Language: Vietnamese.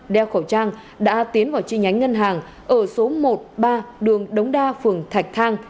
đeo khẩu trang đã tiến vào chi nhánh ngân hàng ở số một ba đường đống đa phường thạch thang